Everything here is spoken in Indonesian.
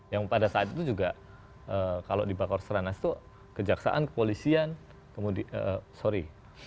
yang pada saat itu juga kalau di bakor seranas itu kejaksaan kepolisian kemudian sorry